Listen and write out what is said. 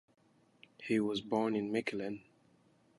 He was born in Mechelen.